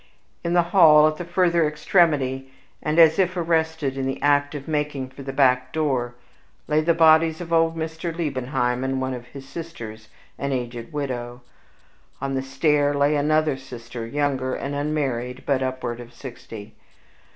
In the hall, at the further extremity, and as if arrested in the act of making for the back door, lay the bodies of old Mr. Liebenheim and one of his sisters, an aged widow; on the stair lay another sister, younger and unmarried, but upward of sixty.